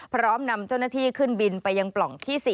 พร้อมนำเจ้าหน้าที่ขึ้นบินไปยังปล่องที่๔